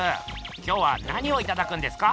今日は何をいただくんですか？